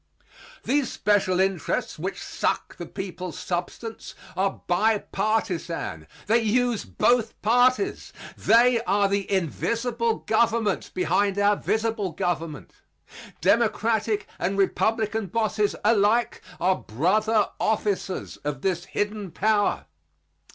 These special interests which suck the people's substance are bi partisan. They use both parties. They are the invisible government behind our visible government. Democratic and Republican bosses alike are brother officers of this hidden power.